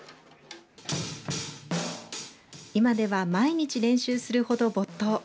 今では毎日練習するほど没頭。